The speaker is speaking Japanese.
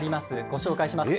ご紹介します。